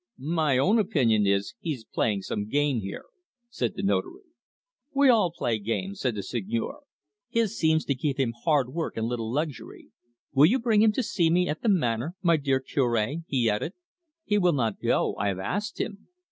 "My own opinion is, he's playing some game here," said the Notary. "We all play games," said the Seigneur. "His seems to give him hard work and little luxury. Will you bring him to see me at the Manor, my dear Cure?" he added. "He will not go. I have asked him."